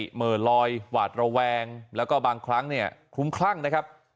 เหม่อลอยหวาดระแวงแล้วก็บางครั้งเนี่ยคลุ้มคลั่งนะครับ